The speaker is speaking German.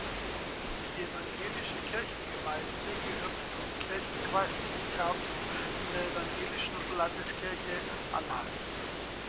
Die evangelische Kirchgemeinde gehört zum Kirchenkreis Zerbst in der Evangelischen Landeskirche Anhalts.